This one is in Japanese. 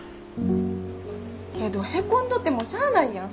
けどへこんどってもしゃないやん。